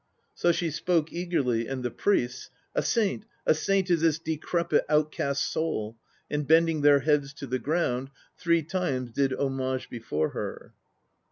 So she spoke, eagerly; and the priests, "A saint, a saint is this decrepit, outcast soul." And bending their heads to the ground, Three times did homage before her.